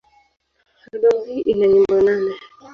Albamu hii ina nyimbo nane.